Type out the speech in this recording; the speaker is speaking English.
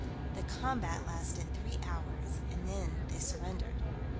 The combat lasted three hours, and then they surrendered.